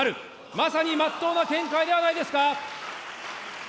まさにまっとうな見解ではないですか。